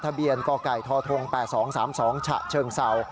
ทะเบียน๙กกท๘๒๓๒ฉเชิงเศรา